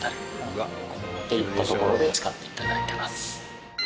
っていった所で使って頂いてます。